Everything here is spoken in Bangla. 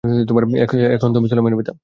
এখন তুমি সুলাইমানের পিতা।